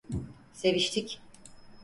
Seviştik.